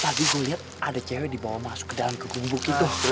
tadi gue lihat ada cewek dibawa masuk ke dalam kegumbuk itu